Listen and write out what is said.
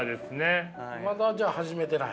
まだじゃあ始めてない？